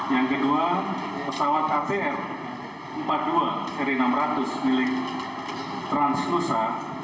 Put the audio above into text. yang kedua pesawat atr empat puluh dua ri enam ratus milik transnusa